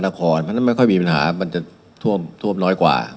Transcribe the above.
เพราะฉะนั้นไม่ค่อยมีปัญหามันจะท่วมน้อยกว่า